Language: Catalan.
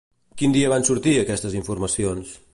Quin dia van sortir aquestes informacions?